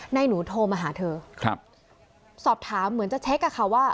หนูโทรมาหาเธอครับสอบถามเหมือนจะเช็คอะค่ะว่า